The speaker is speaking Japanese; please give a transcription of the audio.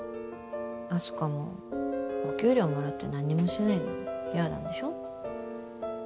あす花もお給料もらって何にもしないの嫌なんでしょ？